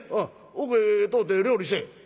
奥へ通って料理せえ」。